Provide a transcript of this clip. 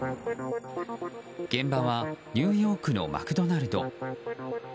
現場はニューヨークのマクドナルド。